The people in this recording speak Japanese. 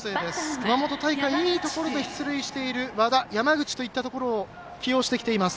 熊本大会、いいところで出塁している和田山口といったところを起用してきています。